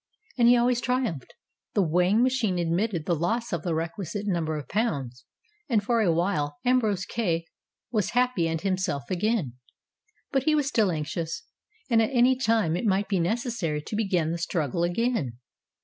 And he always triumphed; the weighing machine admitted the loss of the requisite number of pounds, and for a while Ambrose Kay was happy and himself again. But he was still anxious; at any time it might be necessary to begin the struggle again.